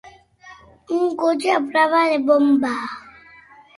Un cotxe a prova de bomba.